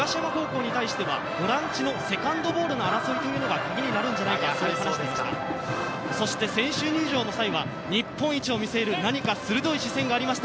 ボランチのセカンドボールに争いというのが、注目になるんじゃないかと話していました。